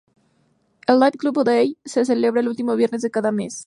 El "Live Club Day" se celebra el último viernes de cada mes.